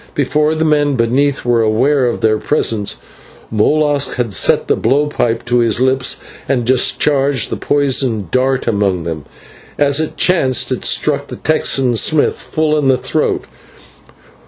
Before the men beneath were aware of their presence, Molas had set the blow pipe to his lips and discharged the poisoned dart among them. As it chanced it struck the Texan Smith full in the throat.